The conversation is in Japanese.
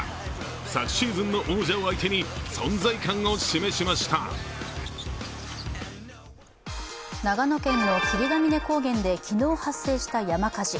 昨シーズンの王者を相手に長野県の霧ヶ峰高原で昨日発生した山火事。